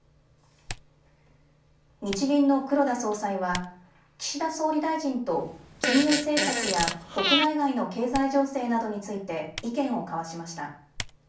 日銀の黒田総裁は岸田総理大臣と金融政策や国内外の経済情勢などについて意見を交わしました。